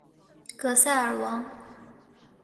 格萨尔王